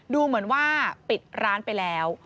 ดูเหมือนว่าปิดร้านไปแล้ว